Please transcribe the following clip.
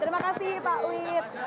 terima kasih pak wit